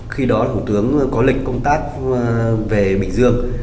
khi đó thủ tướng có lịch công tác về bình dương